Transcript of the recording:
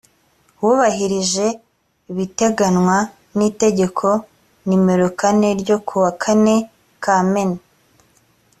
wubahirije ibiteganwa n itegeko nimero kane ryo kuwakane kamena